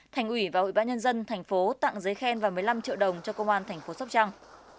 thành ủy và ủy ban nhân dân thành phố tặng giấy khen và một mươi năm triệu đồng cho công an thành phố sóc trăng